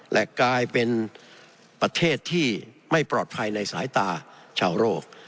และกลายเป็นประเทศที่ไม่ปลอดภัยในสายตาชาวโรค